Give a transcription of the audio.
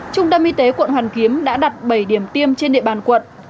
trung tâm y tế quận hoàn kiếm đã đặt bảy điểm tiêm trên địa bàn quận